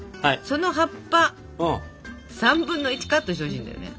その葉っぱ３分の１カットしてほしいんだよね。